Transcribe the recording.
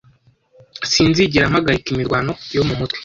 Sinzigera mpagarika imirwano yo mu mutwe